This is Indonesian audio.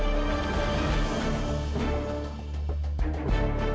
nggak ada yang nunggu